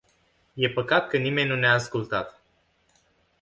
E păcat că nimeni nu ne-a ascultat.